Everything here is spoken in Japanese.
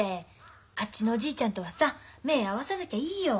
あっちのおじいちゃんとはさ目ぇ合わさなきゃいいよ。